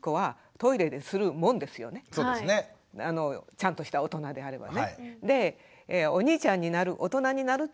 ちゃんとした大人であればね。